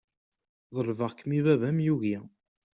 Ḍelbeɣ-kem i baba-m yugi.